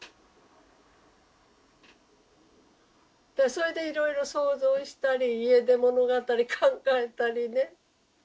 それでいろいろ想像したり家出物語考えたりね。